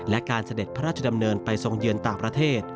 และการเสด็จพระราชดำเนินไปทรงเยือนต่างประเทศ